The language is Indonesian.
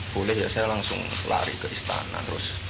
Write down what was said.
boleh ya saya langsung lari ke istana